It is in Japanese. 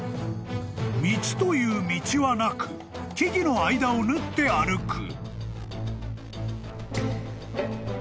［道という道はなく木々の間を縫って歩く］